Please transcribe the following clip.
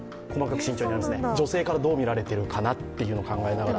女性からどう見られてるかなというのを考えながら。